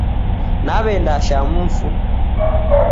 Naw'endasha mufu